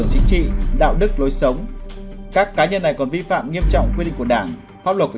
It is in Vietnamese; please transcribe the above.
chính trị đạo đức lối sống các cá nhân này còn vi phạm nghiêm trọng quy định của đảng pháp luật